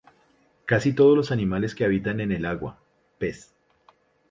Casi todos los animales que habitan en agua:pez.